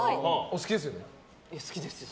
好きですよ。